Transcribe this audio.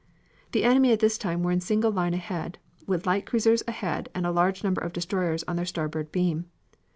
The enemy at this time were in single line ahead, with light cruisers ahead and a large number of destroyers on their starboard beam.